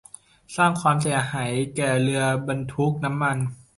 สร้างความเสียหายแก่เรือบรรทุกน้ำมัน